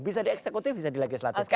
bisa di eksekutif bisa di legislatif